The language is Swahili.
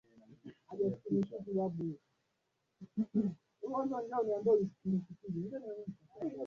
Mkwawa alitoa bunduki mia moja tuna nyingine mia mbili zilibaki katika ghala